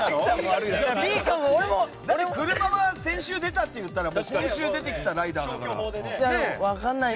車は先週出たと言ったら先週出てきたライダーだからね。